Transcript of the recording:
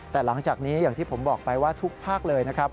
แต่หลังจากนี้อย่างที่ผมบอกไปว่าทุกภาคเลยนะครับ